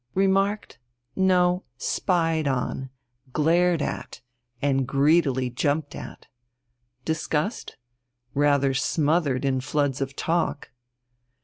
Remarked? No, spied on, glared at, and greedily jumped at! Discussed? Rather smothered in floods of talk.